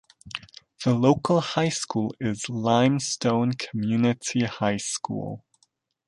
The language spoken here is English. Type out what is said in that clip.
The local High School is Limestone Community High School.